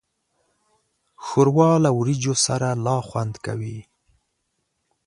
ښوروا له وریجو سره لا خوند کوي.